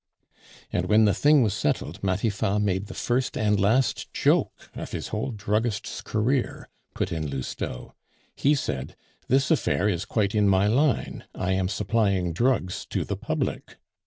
"And when the thing was settled, Matifat made the first and last joke of his whole druggist's career," put in Lousteau. "He said, 'This affair is quite in my line; I am supplying drugs to the public.